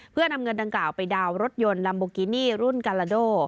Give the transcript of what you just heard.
เพื่อนำเงินดังกล่าวไปดาวน์รถยนต์ลัมโบกินี่รุ่นกาลาโด